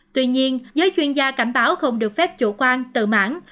tuy nhiên giới chuyên gia cảnh báo không được phép chủ quan tự mãn